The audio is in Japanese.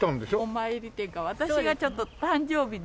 お参りというか私がちょっと誕生日で。